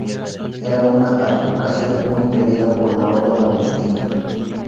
Era una advocación muy querida por la orden Agustina.